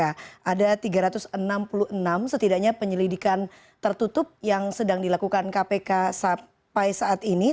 ada tiga ratus enam puluh enam setidaknya penyelidikan tertutup yang sedang dilakukan kpk sampai saat ini